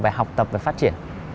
về học tập và phát triển